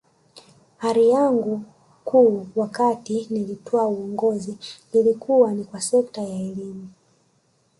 Ari yangu kuu wakati nilitwaa uongozi ilikuwa ni kwa sekta ya elimu